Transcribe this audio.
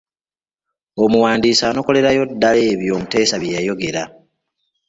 Omuwandiisi anokolerayo ddala ebyo omuteesa bye yayogera.